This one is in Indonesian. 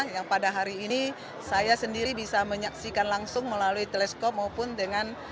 yang pada hari ini saya sendiri bisa menyaksikan langsung melalui teleskop maupun dengan